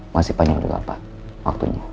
masih panjang di bapak waktunya